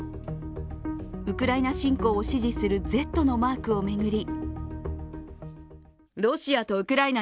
ウクライナ侵攻を支持するＺのマークを巡り